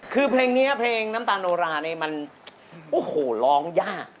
คือเพลงนี้เพลงน้ำตาลโนราเนี่ยมันโอ้โหร้องยาก